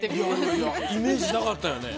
いやいやイメージなかったよね。